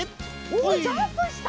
おっジャンプした！